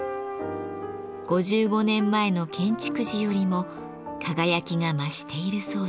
５５年前の建築時よりも輝きが増しているそうです。